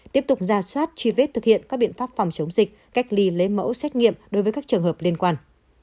tiếp tục ra soát truy vết thực hiện các biện pháp phòng chống dịch cách ly lấy mẫu xét nghiệm đối với các trường hợp liên quan